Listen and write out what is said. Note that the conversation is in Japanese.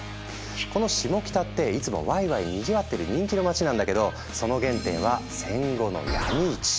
このシモキタっていつもワイワイにぎわってる人気の街なんだけどその原点は戦後の闇市。